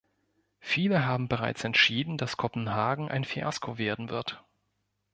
Viele haben bereits entschieden, dass Kopenhagen ein Fiasko werden wird.